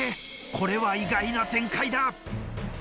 これは意外な展開だ。